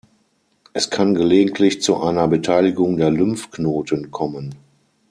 Es kann gelegentlich zu einer Beteiligung der Lymphknoten kommen.